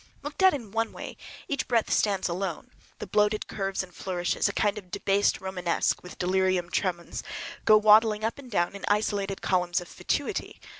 Looked at in one way each breadth stands alone, the bloated curves and flourishes—a kind of "debased Romanesque" with delirium tremens—go waddling up and down in isolated columns of fatuity.